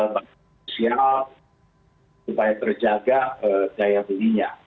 bantuan sosial supaya terjaga daya belinya